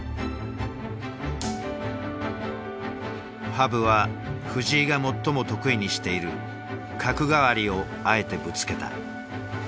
羽生は藤井が最も得意にしている角換わりをあえてぶつけた。